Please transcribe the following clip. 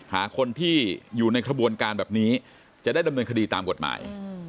หาคนที่อยู่ในขบวนการแบบนี้จะได้ดำเนินคดีตามกฎหมาย